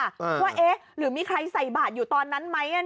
ว่าเอ๊ะหรือมีใครใส่บาทอยู่ตอนนั้นไหม